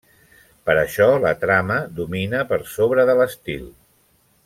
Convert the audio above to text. Per això la trama domina per sobre de l'estil.